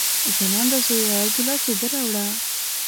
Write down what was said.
ځلانده زویه، یو ګیلاس اوبه راوړه!